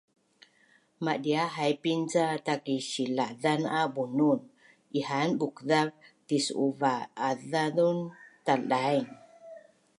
madia’ haipin ca takisilazan a bunun ihaan bukzav tisuva’azun taldaing